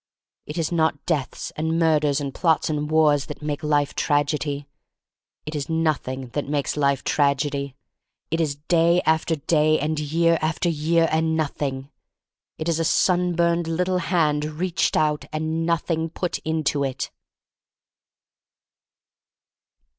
It is not deaths and murders and plots and wars that make life tragedy. It is Nothing that makes life tragedy. It is day after day, and year after year, and Nothing. It is a sunburned little hand reached out and Nothing put into it.